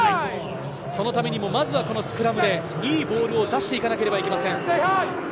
そのためにもまずはこのスクラムでいいボールを出していかなければいけません。